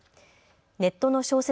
ネットの小説